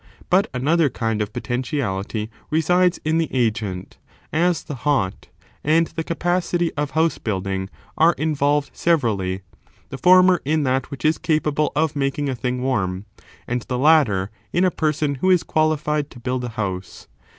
But another kind of potentiality resides in the agent, as the hot, and the capacity of house building, are involved severally, the former in that which is capable of making a thing warm, and the latter in a person who is qualified to build a house.